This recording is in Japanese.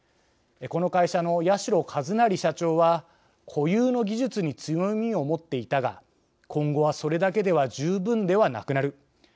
この会社の八代一成社長は「固有の技術に強みを持っていたが今後はそれだけでは十分ではなくなる。